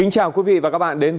chào các bạn